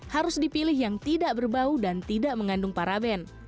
harus dipilih yang tidak berbau dan tidak mengandung paraben